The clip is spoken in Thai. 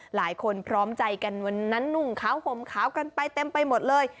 พร้อมใจกันวันนั้นนุ่งขาวห่มขาวกันไปเต็มไปหมดเลย